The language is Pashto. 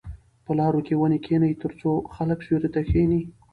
په لارو کې ونې کېنئ ترڅو خلک سیوري ته کښېني.